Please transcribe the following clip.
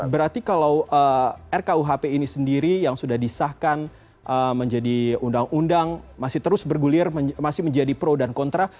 berarti kalau rkuhp ini sendiri yang sudah disahkan menjadi undang undang masih terus bergulir masih menjadi pro dan kontra